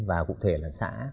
và cụ thể là xã